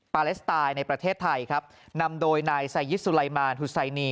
ปาเลสไตน์ในประเทศไทยครับนำโดยนายไซยิสสุไลมานฮุไซนี